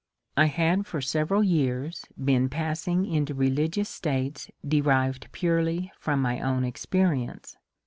I had for several years been passing into religious states derived purely from my own experience.